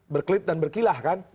berklit dan berkilah kan